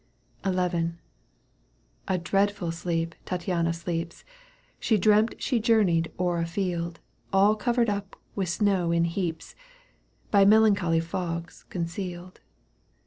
XL A dreadful sleep Tattiana sleeps. She dreamt she journeyed o'er a field All covered up with snow in heaps, By melancholy fogs concealed.